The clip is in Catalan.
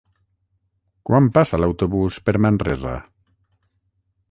Quan passa l'autobús per Manresa?